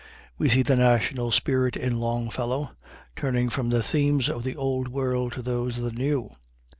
We see the national spirit in Longfellow turning from the themes of the Old World to those of the New.